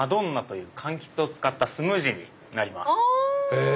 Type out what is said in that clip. へぇ。